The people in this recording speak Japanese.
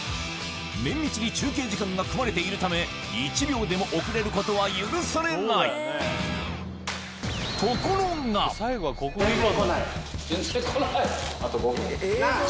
綿密に中継時間が組まれているため１秒でも遅れることは許されない何だよ！